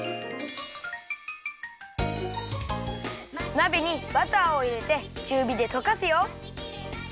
なべにバターをいれてちゅうびでとかすよ。